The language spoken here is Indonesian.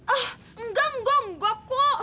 ah enggak enggak enggak kok